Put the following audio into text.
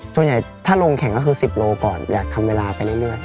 ส่วนใหญ่ถ้าลงแข่งก็คือ๑๐โลก่อนอยากทำเวลาไปเรื่อย